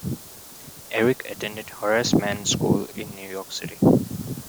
Erik attended Horace Mann School in New York City.